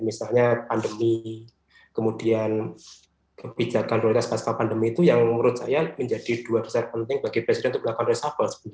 misalnya pandemi kemudian kebijakan prioritas pasca pandemi itu yang menurut saya menjadi dua besar penting bagi presiden untuk melakukan reshuffle